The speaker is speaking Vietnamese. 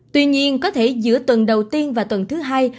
tuy nhiên có thể giữa tuần đầu tiên và tuần thứ hai